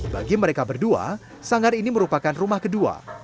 bagi mereka berdua sanggar ini merupakan rumah kedua